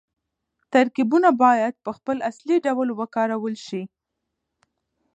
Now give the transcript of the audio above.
ترکيبونه بايد په خپل اصلي ډول وکارول شي.